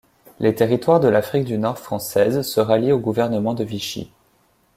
Les territoires de l'Afrique du Nord française se rallient au gouvernement de Vichy.